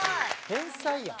天才やん。